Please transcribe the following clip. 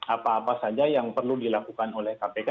apa apa saja yang perlu dilakukan oleh kpk